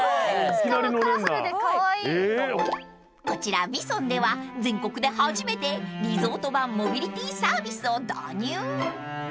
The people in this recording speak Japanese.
［こちらＶＩＳＯＮでは全国で初めてリゾート版モビリティーサービスを導入］